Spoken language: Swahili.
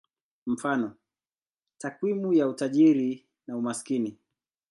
Mfano: takwimu ya utajiri na umaskini.